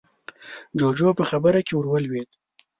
جُوجُو په خبره کې ورولوېد: